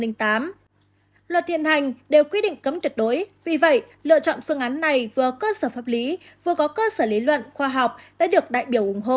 luật hiện hành đều quy định cấm tuyệt đối vì vậy lựa chọn phương án này vừa cơ sở pháp lý vừa có cơ sở lý luận khoa học đã được đại biểu ủng hộ